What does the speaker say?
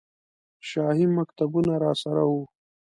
شاهي مکتوبونه راسره وو.